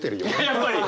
やっぱり！